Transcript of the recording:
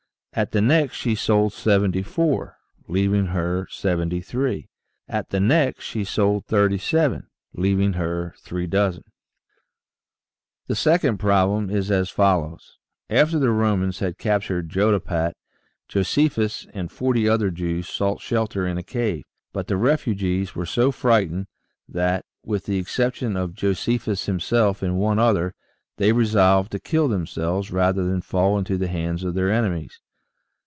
At the next she sold 74, leaving her 73. At the next she sold 37, leaving her three dozen. ARCHIMEDES AND HIS FULCRUM I/I The second problem is as follows : After the Romans had captured Jotopat, Josephus and forty other Jews sought shelter in a cave, but the refugees were so fright ened that, with the exception of Josephus himself and one other, they resolved to kill themselves rather than fall into the hands of their enemies.